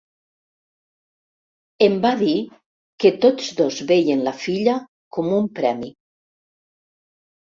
Em va dir que tots dos veien la filla com un premi.